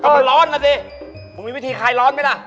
ก็มันร้อนนะสิมึงมีวิธีคลายร้อนไหมล่ะ